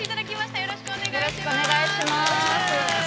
◆よろしくお願いします。